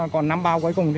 còn năm bao cuối cùng